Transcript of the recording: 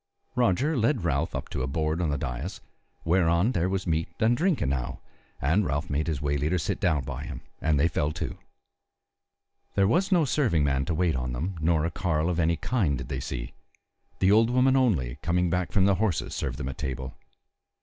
Roger led Ralph up to a board on the dais, whereon there was meat and drink enow, and Ralph made his way leader sit down by him, and they fell to. There was no serving man to wait on them nor a carle of any kind did they see; the old woman only, coming back from the horses, served them at table.